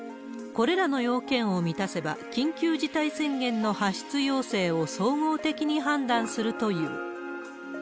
これらの要件を満たせば、緊急事態宣言の発出要請を総合的に判断するという。